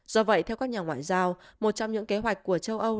do vậy theo các nhà ngoại giao một trong những kế hoạch của châu âu